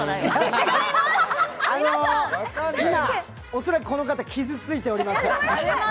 恐らくこの方、傷ついております。